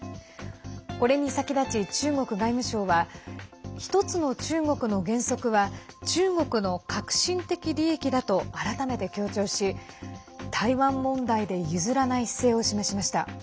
これに先立ち、中国外務省は一つの中国の原則は中国の核心的利益だと改めて強調し、台湾問題で譲らない姿勢を示しました。